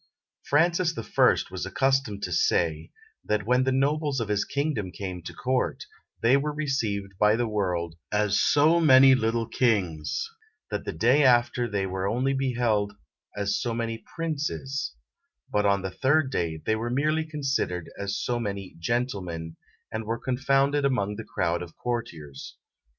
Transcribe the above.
Francis the First was accustomed to say, that when the nobles of his kingdom came to court, they were received by the world as so many little kings; that the day after they were only beheld as so many princes; but on the third day they were merely considered as so many gentlemen, and were confounded among the crowd of courtiers.